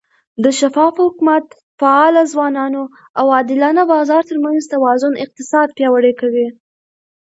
د شفاف حکومت، فعاله ځوانانو، او عادلانه بازار ترمنځ توازن اقتصاد پیاوړی کوي.